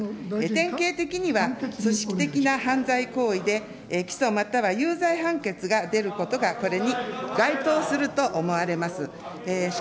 典型的には組織的な犯罪行為で起訴、または有罪判決が出ることが、これに該当すると思われます。